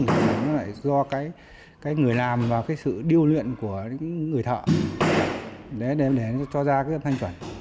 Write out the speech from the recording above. thì nó lại do cái người làm và cái sự điêu luyện của những người thợ để cho ra cái thanh chuẩn